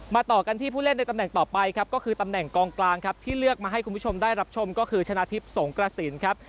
ต่อกันที่ผู้เล่นในตำแหน่งต่อไปครับก็คือตำแหน่งกองกลางครับที่เลือกมาให้คุณผู้ชมได้รับชมก็คือชนะทิพย์สงกระสินครับ